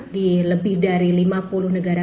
di lebih dari lima puluh negara